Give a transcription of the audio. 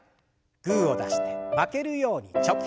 グーを出して負けるようにチョキ。